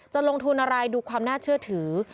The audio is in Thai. ลงทุนอะไรดูความน่าเชื่อถือ